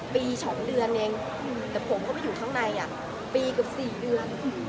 ปี๒เดือนเองแต่ผมก็ไปอยู่ข้างในปีเกือบ๔เดือน